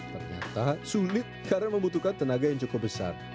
ternyata sulit karena membutuhkan tenaga yang cukup besar